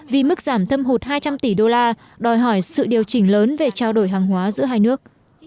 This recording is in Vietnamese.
vì mức giảm thâm hụt hai trăm linh tỷ đô la đòi hỏi sự điều chỉnh lớn về trao đổi hàng hóa giữa hai nước